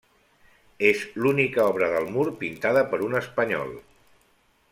És l'única obra del mur pintada per un espanyol.